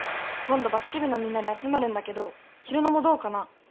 今度バスケ部のみんなで集まるんだけど裕乃もどうかな？」